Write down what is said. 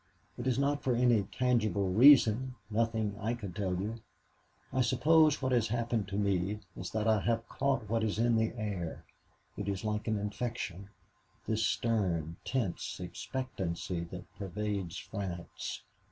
It is not for any tangible reason nothing I could tell you. I suppose what has happened to me is that I have caught what is in the air. It is like an infection this stern, tense expectancy that pervades France.